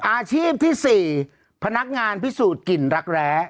อาชีพที่๔พนักงานพิสูจน์กลิ่นรักแร้